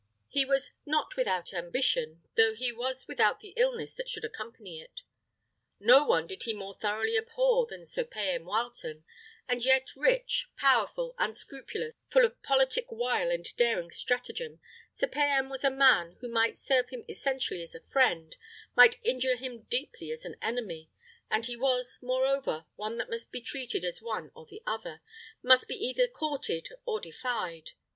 He was "not without ambition, though he was without the illness that should accompany it." No one did he more thoroughly abhor than Sir Payan Wileton; and, yet rich, powerful, unscrupulous, full of politic wile and daring stratagem, Sir Payan was a man who might serve him essentially as a friend, might injure him deeply as an enemy; and he was, moreover, one that must be treated as one or the other, must be either courted or defied.